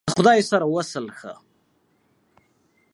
د خدای سره وصل ښه !